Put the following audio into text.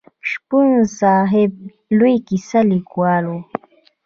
شپون صاحب لوی کیسه لیکوال و.